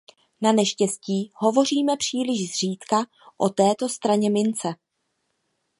Naneštěstí hovoříme příliš zřídka o této straně mince.